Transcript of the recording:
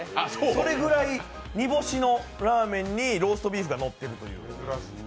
それぐらい煮干しのラーメンにローストビーフが乗っているという。